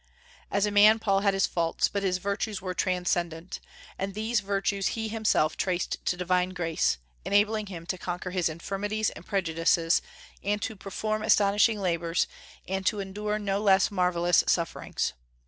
As a man Paul had his faults, but his virtues were transcendent; and these virtues he himself traced to divine grace, enabling him to conquer his infirmities and prejudices, and to perform astonishing labors, and to endure no less marvellous sufferings.